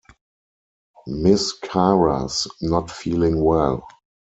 Miss Cara's not feeling well.